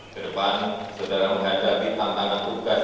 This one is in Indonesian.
kedepan saudara menghadapi tantangan tugas